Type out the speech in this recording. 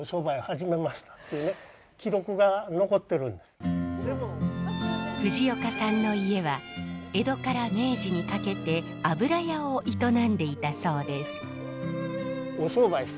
ここへ出てきて藤岡さんの家は江戸から明治にかけて油屋を営んでいたそうです。